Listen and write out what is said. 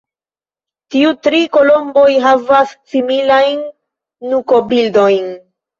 Tiu tri kolomboj havas similajn nukobildojn.